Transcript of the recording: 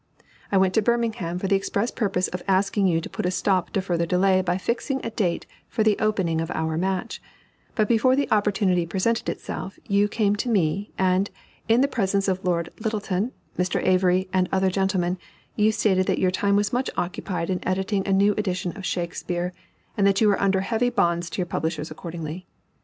I went to Birmingham for the express purpose of asking you to put a stop to further delay by fixing a date for the opening of our match; but before the opportunity presented itself you came to me, and, in the presence of Lord Lyttelton, Mr. Avery, and other gentlemen, you stated that your time was much occupied in editing a new edition of Shakespeare, and that you were under heavy bonds to your publishers accordingly.